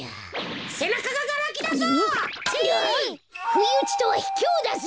ふいうちとはひきょうだぞ。